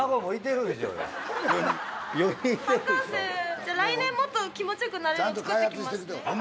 じゃあ来年もっと気持ち良くなれるの作ってきますね。